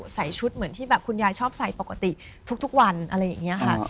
ใส่ชุดเหมือนที่แบบคุณยายชอบใส่ปกติทุกวันอะไรอย่างนี้ค่ะ